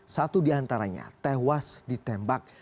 satu di antaranya tewas ditembak